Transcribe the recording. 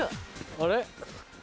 あれ？